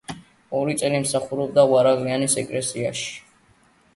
ორი წელი მსახურობდა ვარაკლიანის ეკლესიაში.